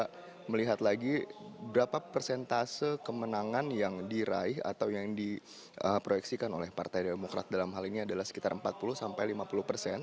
kita melihat lagi berapa persentase kemenangan yang diraih atau yang diproyeksikan oleh partai demokrat dalam hal ini adalah sekitar empat puluh sampai lima puluh persen